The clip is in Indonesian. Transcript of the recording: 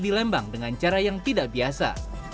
di lembang dengan cara yang tidak biasa